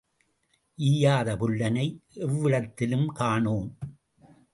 ஈயாத புல்லனை எவ்விடத்திலும் காணோம்.